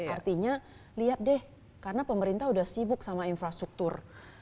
artinya lihat deh karena pemerintah sudah sibuk sama infrastruktur